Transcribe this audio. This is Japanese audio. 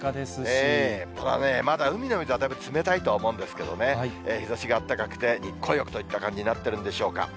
ただね、海の水はまだ冷たいとは思うんですけどね、日ざしがあったかくて、日光浴といった感じになってるんでしょうか。